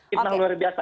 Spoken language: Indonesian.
ini luar biasa